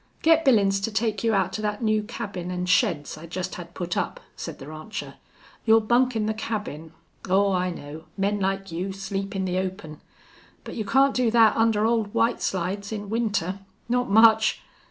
"Get Billin's to take you out to thet new cabin an' sheds I jest had put up," said the rancher. "You'll bunk in the cabin.... Aw, I know. Men like you sleep in the open. But you can't do thet under Old White Slides in winter. Not much!